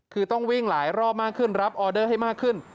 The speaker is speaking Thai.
คือต้องวิ่งหลายรอบมากขึ้นรับออเดอร์ให้มากขึ้น